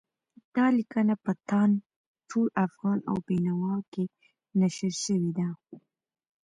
دا لیکنه په تاند، ټول افغان او بېنوا کې نشر شوې ده.